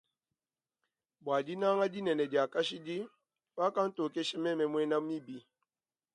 Bwa dinanga dinene dia kashidi wakantokesha meme mwena mibi.